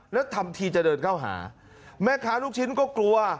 แล้วทำทีจะเดินเข้าหาแม่ค้าลูกชิ้นก็กลัว